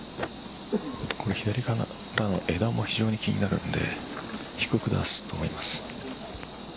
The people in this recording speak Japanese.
左から枝も非常に気になるので低く出すと思います。